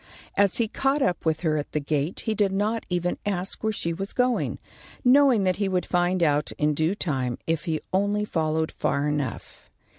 As he caught up with her at the gate, he did not even ask where she was going, knowing that he would find out in due time if he only followed far enough.